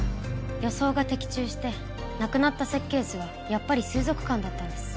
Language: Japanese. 予想が的中してなくなった設計図はやっぱり水族館だったんです。